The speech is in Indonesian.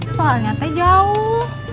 soalnya te jauh